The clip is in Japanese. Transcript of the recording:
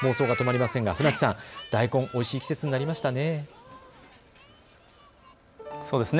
船木さん、大根、おいしい季節になりましたね。